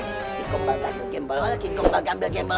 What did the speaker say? kikumbang gambil kembal kikumbang gambil kembal